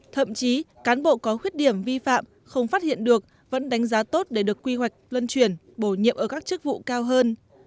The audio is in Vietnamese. thậm chí cán bộ có khuyết điểm vi phạm không phát hiện được vẫn đánh giá tốt để được quy hoạch lân chuyển bổ nhiệm ở các chức vụ cao hơn